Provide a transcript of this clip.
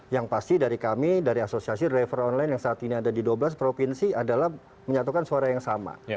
yang pasti dari kami dari asosiasi driver online yang saat ini ada di dua belas provinsi adalah menyatukan suara yang sama